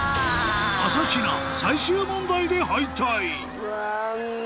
朝比奈最終問題で敗退残念！